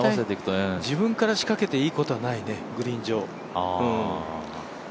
大体自分から仕掛けていいことないね、グリーン上。